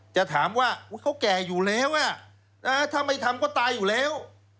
จะถามว่าเขาแก่อยู่แล้วถ้าไม่ทำก็ตายอยู่แล้ว